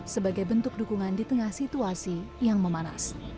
sebagai bentuk dukungan di tengah situasi yang memanas